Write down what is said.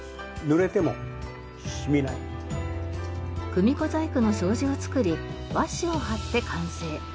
組子細工の障子を作り和紙を貼って完成。